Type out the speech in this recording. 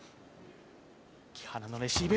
木原のレシーブ。